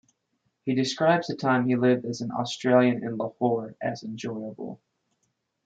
He describes the time he lived as an Australian in Lahore as enjoyable.